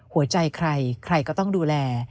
หัวใจใครใครก็ต้องดูแล